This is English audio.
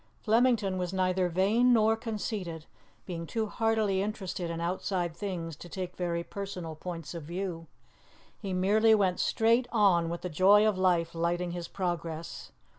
Flemington was neither vain nor conceited, being too heartily interested in outside things to take very personal points of view; he merely went straight on, with the joy of life lighting his progress.